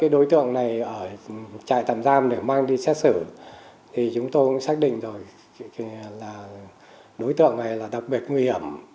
đối tượng này là đặc biệt nguy hiểm